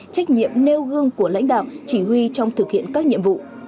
trách nhiệm nêu gương của lãnh đạo chỉ huy trong thực hiện các nhiệm vụ